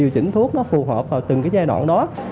điều chỉnh thuốc nó phù hợp vào từng cái giai đoạn đó